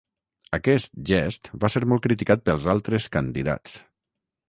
Aquest gest va ser molt criticat pels altres candidats.